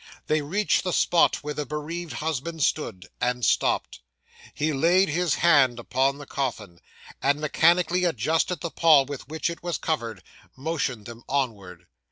They reached the spot where the bereaved husband stood: and stopped. He laid his hand upon the coffin, and mechanically adjusting the pall with which it was covered, motioned them onward.